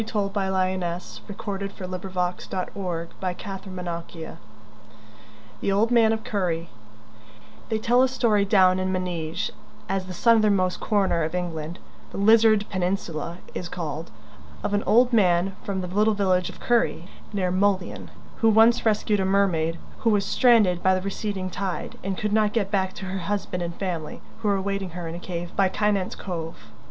[Illustration: St. Neot, from a window in the Church] THE OLD MAN OF CURY They tell a story down in Meneage, as the southernmost corner of England the Lizard peninsula is called, of an old man from the little village of Cury, near Mullion, who once rescued a mermaid who was stranded by the receding tide, and could not get back to her husband and family, who were awaiting her in a cave by Kynance Cove.